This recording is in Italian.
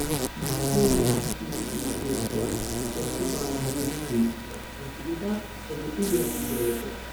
Gli studi scientifici di Kirchhoff si occuparono di linguistica, antichità ed epigrafi greche.